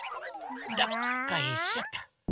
どっこいしょっと。